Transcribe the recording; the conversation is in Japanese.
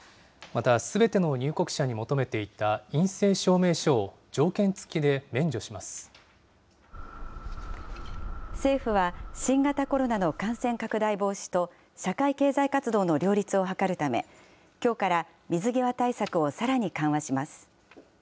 またすべての入国者に求めていた陰性証明書を条件付きで免除政府は、新型コロナの感染拡大防止と社会経済活動の両立を図るため、きょうから水際対策をさらに緩和します。